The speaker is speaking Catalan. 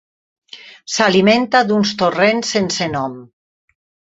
S'alimenta d'uns torrents sense nom.